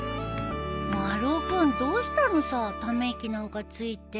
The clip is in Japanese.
丸尾君どうしたのさため息なんかついて。